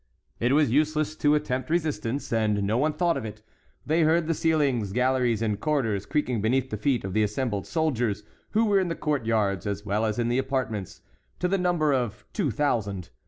It was useless to attempt resistance, and no one thought of it. They heard the ceilings, galleries, and corridors creaking beneath the feet of the assembled soldiers, who were in the court yards, as well as in the apartments, to the number of two thousand.